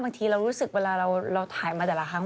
บางทีเรารู้สึกเวลาเราถ่ายมาแต่ละครั้ง